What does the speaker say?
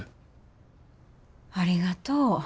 ありがとう。